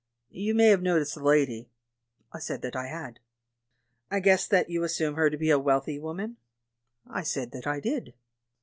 You may have noticed the lady?" I said that I had. "I guess that you assume her to be a wealthy woman?" I said that I did.